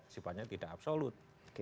sifatnya tidak absolut